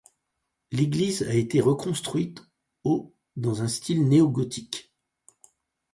L'église a été reconstruite au dans un style néo-gothique.